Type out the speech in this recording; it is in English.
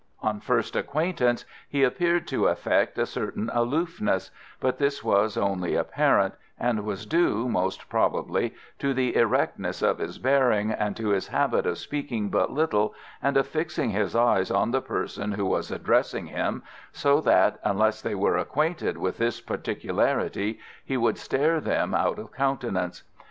On first acquaintance he appeared to affect a certain aloofness; but this was only apparent, and was due, most probably, to the erectness of his bearing, and to his habit of speaking but little, and of fixing his eyes on the person who was addressing him, so that, unless they were acquainted with this particularity, he would stare them out of countenance.